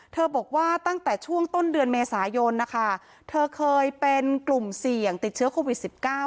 บอกว่าตั้งแต่ช่วงต้นเดือนเมษายนนะคะเธอเคยเป็นกลุ่มเสี่ยงติดเชื้อโควิด๑๙